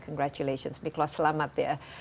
congratulations miklos selamat ya